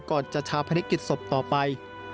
ก่อนจัดสร้างภนิกฤตศพต่อไป